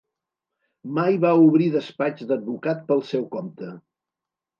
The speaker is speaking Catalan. Mai va obrir despatx d'advocat pel seu compte.